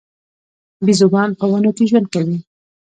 بیزوګان په ونو کې ژوند کوي